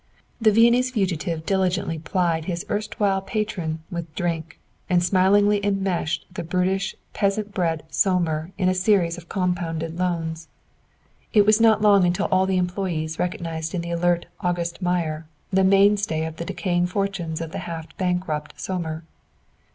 The Viennese fugitive diligently plied his erstwhile patron with drink and smilingly enmeshed the brutish peasant bred Sohmer in a series of compounded loans. It was not long until all the employees recognized in the alert "August Meyer" the mainstay of the decaying fortunes of the half bankrupt Sohmer.